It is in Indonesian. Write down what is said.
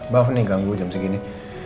maaf nih ganggu jam segini